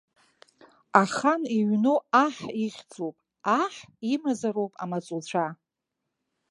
Ахан иҩноу аҳ ихьӡуп, аҳ имазароуп амаҵуцәа.